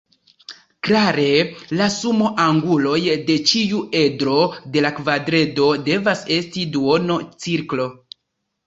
Klare la sumo anguloj de ĉiu edro de la kvaredro devas esti duono-cirklo.